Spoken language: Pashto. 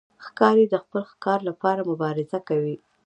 ښکاري د خپل ښکار لپاره مبارزه کوي.